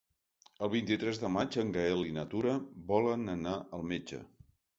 El vint-i-tres de maig en Gaël i na Tura volen anar al metge.